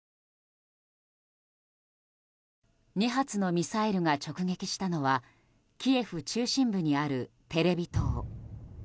２発のミサイルが直撃したのはキエフ中心部にあるテレビ塔。